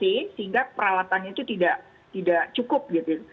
sehingga peralatannya itu tidak cukup gitu